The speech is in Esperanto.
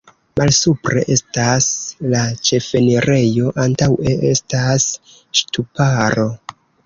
Malsupre estas la ĉefenirejo, antaŭe estas ŝtuparo.